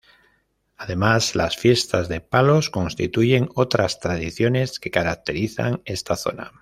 Además, las fiestas de palos, constituyen otras tradiciones que caracterizan esta zona.